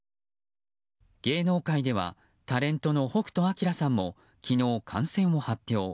芸能界ではタレントの北斗晶さんも昨日感染を発表。